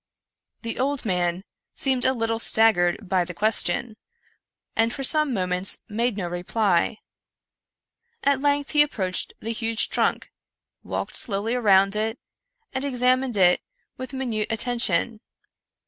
The old man seemed a little staggered by the question, and for some moments made no reply. At length he approached the huge trunk, walked slowly around it, and examined it with minute atten tion.